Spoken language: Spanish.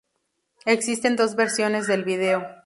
Existen dos versiones del video.